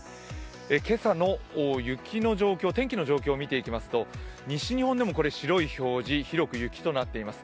今朝の雪の状況、天気の状況を見ていきますと、西日本でも白い表示、広く雪となっています。